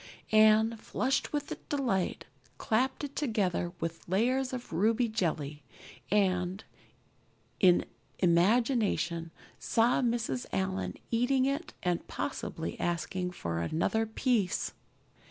Anne, flushed with delight, clapped it together with layers of ruby jelly and, in imagination, saw Mrs. Allan eating it and possibly asking for another piece!